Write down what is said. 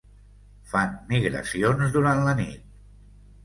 Fan migracions durant la nit.